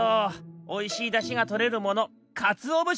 おいしいだしがとれるものかつおぶし！